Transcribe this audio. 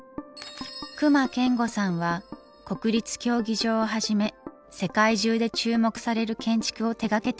隈研吾さんは国立競技場をはじめ世界中で注目される建築を手がけています。